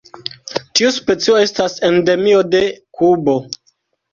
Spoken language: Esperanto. Tiu specio estas endemio de Kubo.